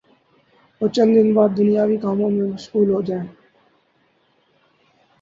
اور چند دن بعد دنیاوی کاموں میں مشغول ہو جائیں